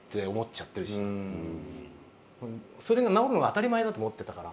それが治るのが当たり前だと思ってたから。